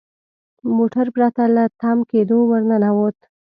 موټر پرته له تم کیدو ور ننوت.